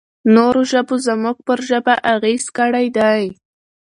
نورو ژبو زموږ پر ژبه اغېز کړی دی.